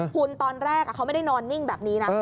คุณตอนแรกเขาไม่ได้นอนนิ่งแบบนี้นะ